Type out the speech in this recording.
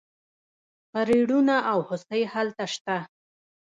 پریړونه او هوسۍ هلته شته.